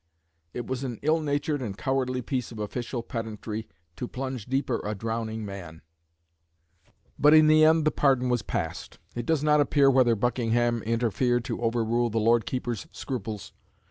It was an ill natured and cowardly piece of official pedantry to plunge deeper a drowning man; but in the end the pardon was passed. It does not appear whether Buckingham interfered to overrule the Lord Keeper's scruples.